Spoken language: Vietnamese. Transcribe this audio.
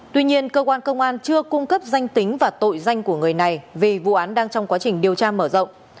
tuy nhiên cơ quan công an chưa cung cấp danh tính và tội danh của người này vì vụ án đang trong quá trình điều tra mở rộng